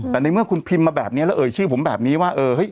แต่ในเมื่อคุณพิมพ์มาแบบนี้แล้วเอ่ยชื่อผมแบบนี้ว่าเออ